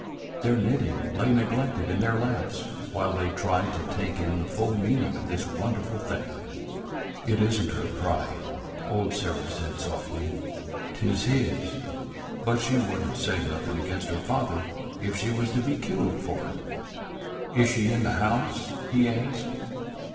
Their knitting lay neglected in their laps while they tried to take in the full meaning of this wonderful thing. "It is n't her pride," old Sarah said softly. "'T 's his; but she would n't say nothin' against her father if she was to be killed for it." "Is she in the house?" he asked.